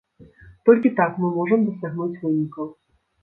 Толькі так мы можам дасягнуць вынікаў.